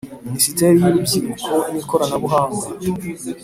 Minisiteri y Urubyiruko n Ikoranabuhanga